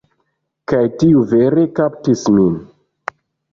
Kaj tiu vere kaptis min.